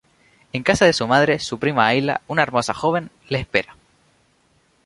En casa de su madre su prima Ayla, una hermosa joven, le espera.